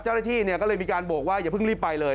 เจ้าหน้าที่ก็เลยมีการบอกว่าอย่าเพิ่งรีบไปเลย